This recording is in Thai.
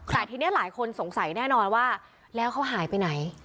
แต่ทีนี้หลายคนสงสัยแน่นอนว่าแล้วเขาหายไปไหน